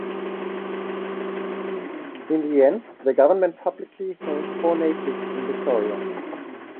In the end, the government publicly hanged four natives in Victoria.